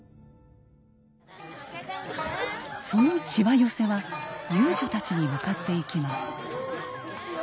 そのしわ寄せは遊女たちに向かっていきます。